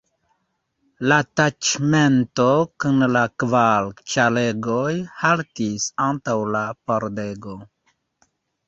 La taĉmento kun la kvar ĉaregoj haltis antaŭ la pordego.